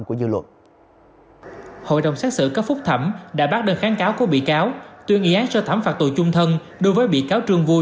hội đồng xét xử cấp phúc thẩm đã bác đơn kháng cáo của bị cáo tuyên y án cho thẩm phạt tù chung thân đối với bị cáo trương vui